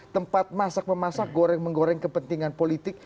tempat masak pemasak menggoreng kepentingan politik